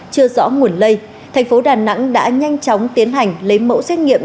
chưa rõ nguồn lây tp đà nẵng đã nhanh chóng tiến hành lấy mẫu xét nghiệm